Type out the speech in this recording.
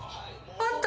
あった！